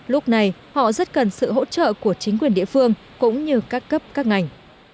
lúc này họ rất cần sự hỗ trợ của chính quyền địa phương cũng như các cấp các ngành